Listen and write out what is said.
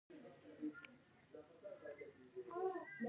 د بواسیر لپاره د انځر اوبه وکاروئ